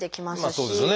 そうですね。